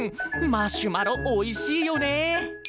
マシュマロおいしいよね。